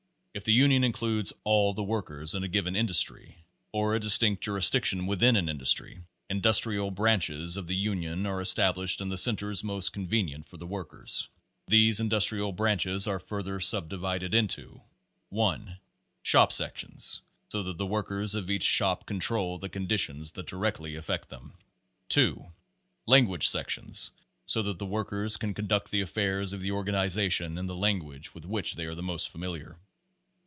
If the union includes ALL the workers in a given industry or a distinct juris diction within an industry, "Industrial Branches" of the Union are established in the centers most conven ient for the workers. These Industrial Branches are further subdivided into 1. Shop sections, so that the workers of each shop control the conditions that directly affect them. 2. Language sections, so that the workers can con duct the affairs of the organization in the language with which they are the most familiar.